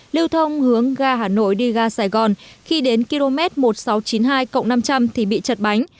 lưu thông hướng ga hà nội đi ga sài gòn khi đến km một nghìn sáu trăm chín mươi hai năm trăm linh thì bị chật bánh